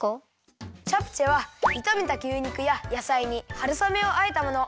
チャプチェはいためた牛肉ややさいにはるさめをあえたもの。